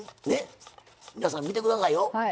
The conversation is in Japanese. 皆さん見てくださいよ。